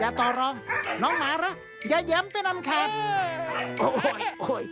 ไม่ต่อรองน้องหมาละอย่าฮมไปร้ำแขก